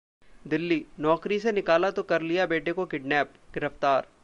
दिल्ली: नौकरी से निकाला तो कर लिया बेटे को किडनैप, गिरफ्तार